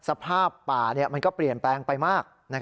สภาพป่ามันก็เปลี่ยนแปลงไปมาก